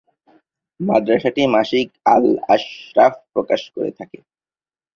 মাদ্রাসাটি মাসিক "আল-আশরাফ" প্রকাশ করে থাকে।